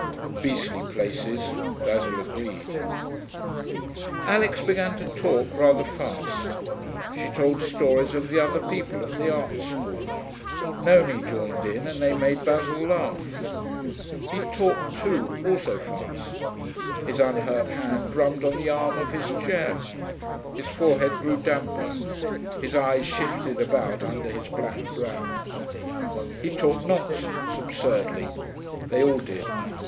'Beastly places,' Basil agreed. Alix began to talk, rather fast. She told stories of the other people at the art school; Nonie joined in, and they made Basil laugh. He talked too, also fast. His unhurt hand drummed on the arm of his chair; his forehead grew damper, his eyes shifted about under his black brows. He talked nonsense, absurdly; they all did.